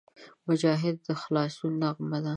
مجاهد د خلاصون نغمه ده.